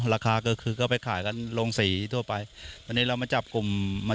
ชาวนาในพื้นที่เข้ารวมกลุ่มและสร้างอำนาจต่อรองได้